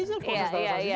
itu proses transaksi juga